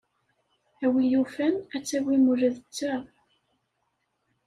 A win yufan, ad tawim ula d ta.